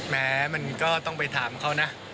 แม้มันก็ต้องไปถามเขานะ